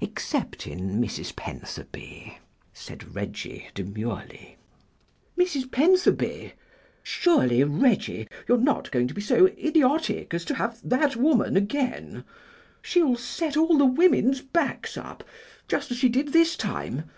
"Excepting Mrs. Pentherby," said Reggie, demurely. "Mrs. Pentherby! Surely, Reggie, you're not going to be so idiotic as to have that woman again! She'll set all the women's backs up just as she did this time.